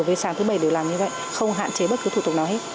ở về sáng thứ bảy để làm như vậy không hạn chế bất cứ thủ tục nào hết